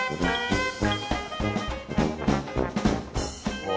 うわ。